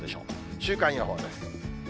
週間予報です。